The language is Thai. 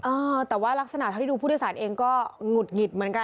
เออแต่ว่ารักษณะเท่าที่ดูผู้โดยสารเองก็หงุดหงิดเหมือนกัน